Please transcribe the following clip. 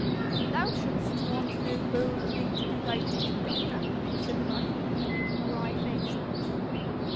'Thou shouldst want no boldening to do thy duty, doctor,' said the marquis, making a wry face.